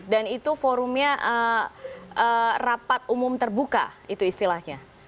dan itu forumnya rapat umum terbuka itu istilahnya